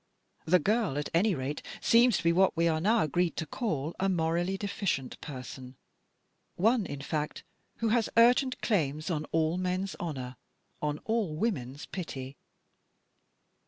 The girl, at any rate, seems to be what we are now agreed to call a l morally deficient person ' —one, in fact, who has urgent claims on all men's honour, on all women's pity.